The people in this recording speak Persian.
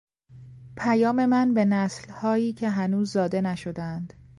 پیام من به نسلهایی که هنوز زاده نشدهاند